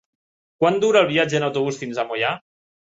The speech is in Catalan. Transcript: Quant dura el viatge en autobús fins a Moià?